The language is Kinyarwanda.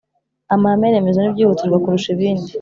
amahame remezo n'ibyihutirwa kurusha ibindi